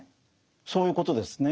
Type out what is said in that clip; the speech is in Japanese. そういうことですね。